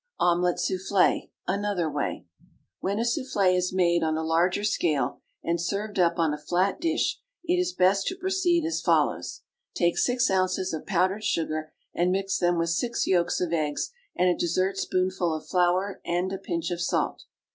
OMELET SOUFFLE (ANOTHER WAY). When a souffle is made on a larger scale, and served up on a flat dish, it is best to proceed as follows: Take six ounces of powdered sugar, and mix them with six yolks of eggs and a dessertspoonful of flour and a pinch of salt.